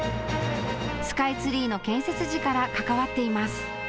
スカイツリーの建設時から関わっています。